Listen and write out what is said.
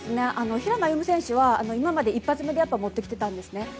平野歩夢選手は今まで一発目で持ってきていたんですね。